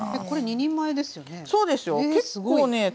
これ２人前ですよね？